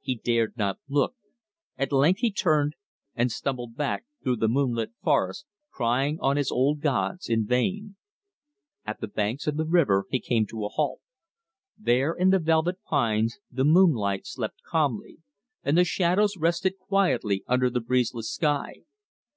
He dared not look. At length he turned and stumbled back through the moonlit forest crying on his old gods in vain. At the banks of the river he came to a halt. There in the velvet pines the moonlight slept calmly, and the shadows rested quietly under the breezeless sky.